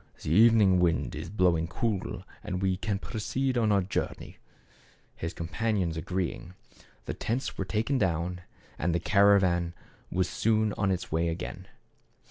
" The evening wind is blowing cool and we can proceed on our journey." His companions 106 THE CAB AVAN. agreeing, the tents were taken down, and the caravan was soon on its way again.